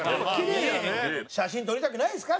写真撮りたくないですか？